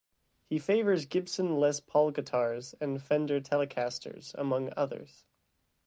He favors Gibson Les Paul guitars and Fender Telecasters among others.